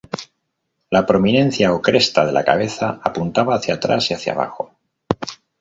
La prominencia o cresta de la cabeza apuntaba hacia atrás y hacia abajo.